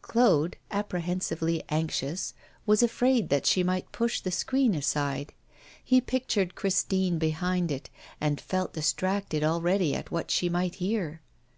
Claude, apprehensively anxious, was afraid that she might push the screen aside. He pictured Christine behind it, and felt distracted already at what she might hear.